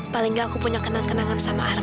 paling gak aku punya kenan kenangan sama arman